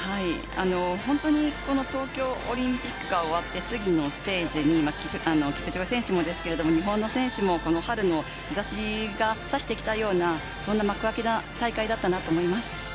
本当に東京オリンピックが終わって次のステージ、キプチョゲ選手もですけど日本の選手にも春の日差しが差してきたような幕開けの大会だったと思います。